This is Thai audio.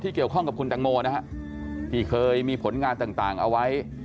เกี่ยวข้องกับคุณตังโมนะฮะที่เคยมีผลงานต่างเอาไว้